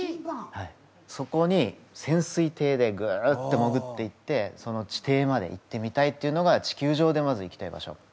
そこに潜水艇でグッてもぐっていってその地底まで行ってみたいっていうのが地球上でまず行きたい場所。